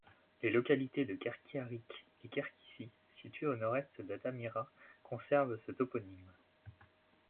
Les localités de Kerki-Aryk et Kerkiçi, situées au nord-est d'Atamyrat conservent ce toponyme.